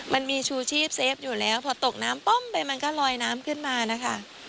มันมีชูชีพเซฟอยู่แล้วพอตกน้ำป้อมไปมันก็ลอยน้ำขึ้นมานะคะ